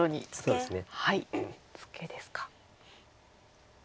そうですね。